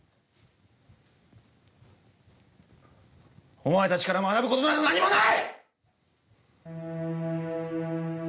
お前たちから学ぶことなど何もない！